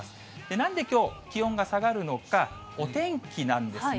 なんできょう、気温が下がるのか、お天気なんですね。